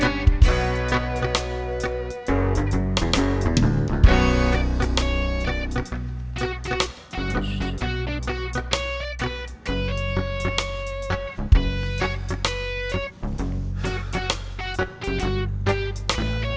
assalamualaikum warahmatullahi wabarakatuh